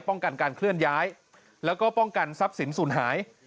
ป้องกันการเคลื่อนย้ายแล้วก็ป้องกันทรัพย์สินสูญหาย